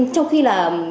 trong khi là